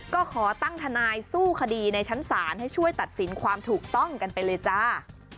ก็ขอตั้งทนายสู้คดีในชั้นศาลให้ช่วยตัดสินความถูกต้องกันไปเลยจ้า